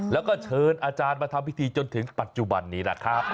แล้วก็เชิญอาจารย์มาทำพิธีจนถึงปัจจุบันนี้นะครับ